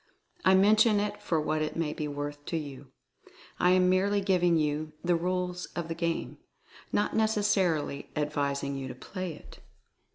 I mention it for what it may be worth to you. I am merely giving you the "rules of the game," not necessarily advising you to play it.